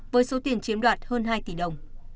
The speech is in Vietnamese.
với số tiền chiếm đoạt hơn hai tỷ đồng